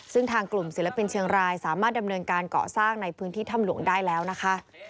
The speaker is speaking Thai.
ซึ่งทางกลุ่มศิลปินเชียงรายสามารถดำเนินการเกาะสร้างในพื้นที่ถ้ำหลวงได้แล้วนะคะ